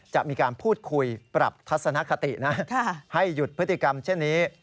จะมีการพูดคุยปรับทัศนคตินะให้หยุดพฤติกรรมเช่นนี้